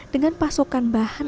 dengan pasokan bahan